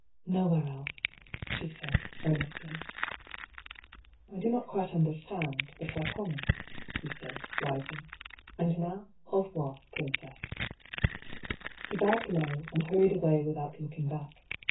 " Nowhere else," she said, earnestly. " I do not quite understand, but I promise," he said, rising. " And now au revoivy princess." MERCEDES. 211 He bowed low> and hurried away without looking back.